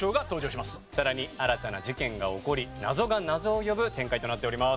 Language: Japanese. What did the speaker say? さらに新たな事件が起こり謎が謎を呼ぶ展開となっております。